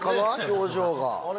表情が。